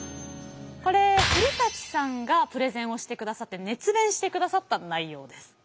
これ古さんがプレゼンをしてくださって熱弁してくださった内容です。